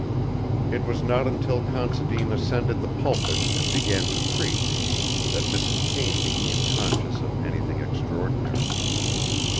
It was not until Considine ascended the pulpit and began to preach, that Mrs. Payne became conscious of anything extraordinary.